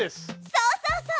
そうそうそう！